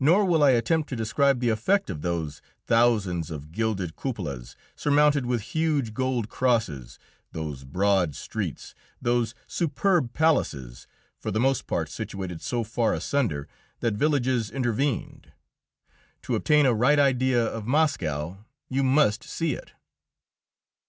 Nor will I attempt to describe the effect of those thousands of gilded cupolas surmounted with huge gold crosses, those broad streets, those superb palaces, for the most part situated so far asunder that villages intervened. To obtain a right idea of Moscow, you must see it.